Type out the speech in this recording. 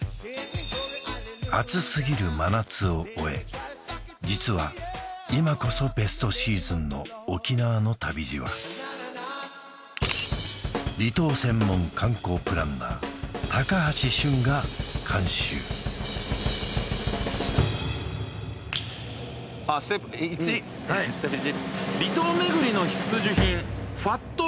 暑すぎる真夏を終え実は今こそベストシーズンの沖縄の旅路は離島専門観光プランナー橋俊が監修太ってるってこと？